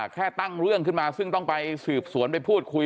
แค่ตั้งเรื่องขึ้นมาซึ่งต้องไปสืบสวนไปพูดคุย